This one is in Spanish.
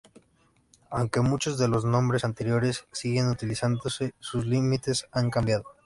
Aunque muchos de los nombres anteriores siguen utilizándose, sus límites han cambiado.